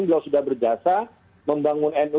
beliau sudah berjasa membangun nu